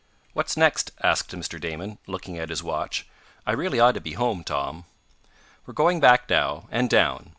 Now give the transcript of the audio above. "What's next?" asked Mr. Damon, looking at his watch. "I really ought to be home, Tom." "We're going back now, and down.